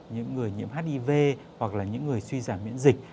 những người nhiễm hiv hoặc là những người suy giảm miễn dịch